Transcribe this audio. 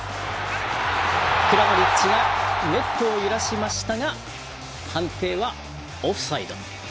クラマリッチがネットを揺らしましたが判定はオフサイド。